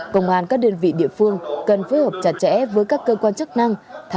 công an các đơn vị địa phương cần phối hợp chặt chẽ với các cơ quan chức năng